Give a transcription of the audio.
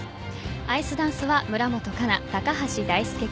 アイスダンスは村元哉中、高橋大輔組。